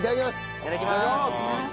いただきます。